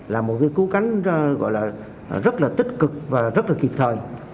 là một cứu cánh rất là tích cực và rất là kịp thời